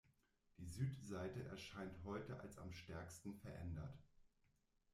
Die Südseite erscheint heute als am stärksten verändert.